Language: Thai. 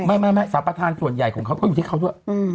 ไม่สัมประธานส่วนใหญ่ของเค้าก็อยู่ที่เค้าด้วย